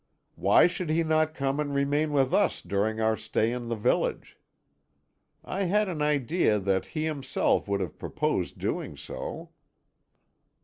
Why should he not come and remain with us during our stay in the village? I had an idea that he himself would have proposed doing so."